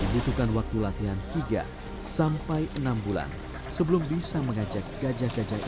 dibutuhkan waktu latihan tiga sampai enam bulan sebelum bisa mengajak gajah gajah